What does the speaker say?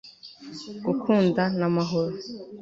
gukunda n'amahoro